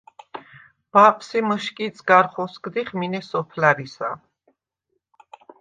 ბაპს ი მჷშკიდს გარ ხოსგდიხ მინე სოფლარისა.